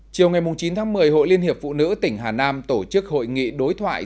chiều ngày chín tháng một mươi hội liên hiệp phụ nữ tỉnh hà nam tổ chức hội nghị đối thoại